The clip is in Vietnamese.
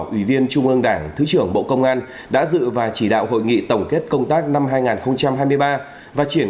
ủy viên trung ương đảng thứ trưởng bộ công an đã dự và chỉ đạo hội nghị tổng kết công tác năm hai nghìn hai mươi ba và triển